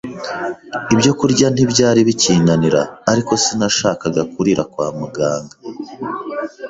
Ibyokurya ntibyari bikinanira, ariko sinashakaga kurira kwa muganga.